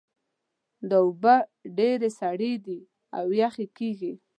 دا اوبه ډېرې سړې دي او یخې لګیږي